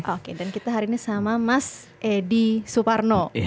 oke dan kita hari ini sama mas edi suparno